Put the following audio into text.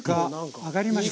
揚がりましたか？